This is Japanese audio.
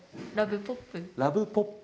ラブポップ。